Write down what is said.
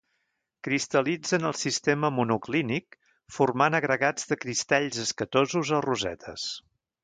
Cristal·litza en el sistema monoclínic formant agregats de cristalls escatosos o rosetes.